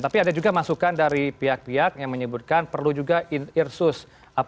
tapi ada juga masukan dari pihak pihak yang menyebutkan perlu juga irsus